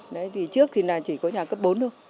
đấy thì trước thì là chỉ có nhà cấp bốn thôi